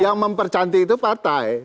yang mempercantik itu partai